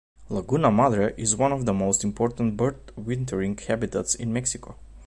Laguna Madre is one of the most important bird wintering habitats in Mexico.